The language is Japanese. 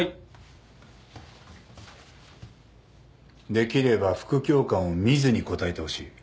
できれば副教官を見ずに答えてほしい。